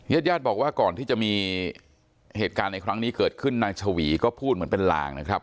ญาติญาติบอกว่าก่อนที่จะมีเหตุการณ์ในครั้งนี้เกิดขึ้นนางชวีก็พูดเหมือนเป็นลางนะครับ